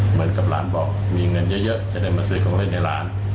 เหมือนกับหลานบอกมีเงินเยอะจะได้มาซื้อของเล่นในร้าน